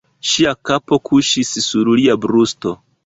Ŝia kapo kuŝis sur lia brusto.